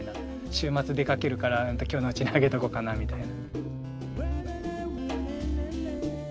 週末出かけるから今日のうちにあげとこうかなみたいな。